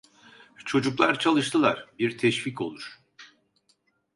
Çocuklar çalıştılar, bir teşvik olur…